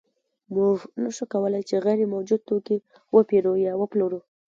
موږ نشو کولی چې غیر موجود توکی وپېرو یا وپلورو